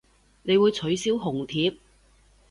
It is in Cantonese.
你會取消紅帖